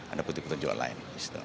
ada putih putih jualan lain